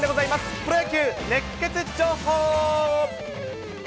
プロ野球熱ケツ情報。